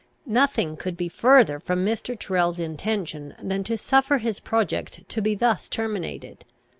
Nothing could be further from Mr. Tyrrel's intention than to suffer his project to be thus terminated.